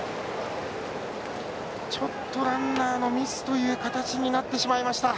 ちょっとランナーのミスという形になってしまいました。